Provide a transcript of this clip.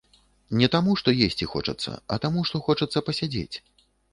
Не таму, што есці хочацца, а таму, што хочацца пасядзець.